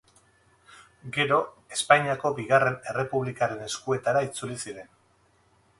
Gero Espainiako Bigarren Errepublikaren eskuetara itzuli ziren.